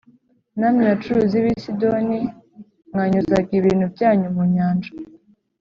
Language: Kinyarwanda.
namwe, bacuruzi b’i Sidoni, mwanyuzaga ibintu byanyu mu nyanja,